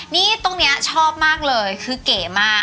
นี่ตรงนี้ชอบมากเลยคือเก๋มาก